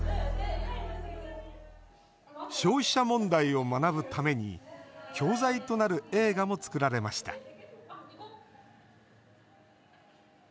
消費者問題を学ぶために教材となる映画も作られました。